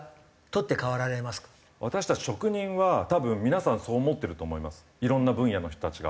私たち職人は多分皆さんそう思ってると思いますいろんな分野の人たちが。